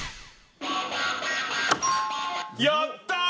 やったー！